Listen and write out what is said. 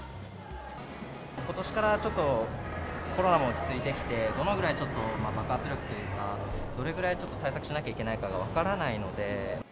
ことしからちょっと、コロナも落ち着いてきて、どのぐらい、ちょっと爆発力というか、どれぐらい対策しなきゃいけないかが分からないので。